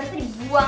masih mau lo makan